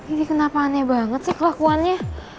ini kenapa aneh banget sih kelakuannya